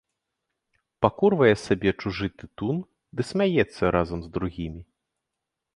Пакурвае сабе чужы тытун ды смяецца разам з другімі.